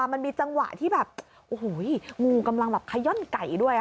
มันมีจังหวะที่แบบโอ้โหงูกำลังแบบขย่อนไก่ด้วย